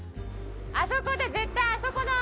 あそこだ、絶対あそこだ。